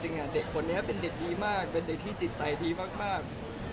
เด็กคนนี้เป็นเด็กดีมากเป็นเด็กที่จิตใจดีมาก